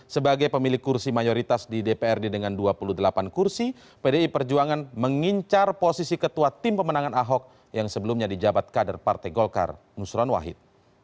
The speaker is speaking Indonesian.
sebagai pemilik kursi mayoritas di dprd dengan dua puluh delapan kursi pdi perjuangan mengincar posisi ketua tim pemenangan ahok yang sebelumnya di jabat kader partai golkar nusron wahid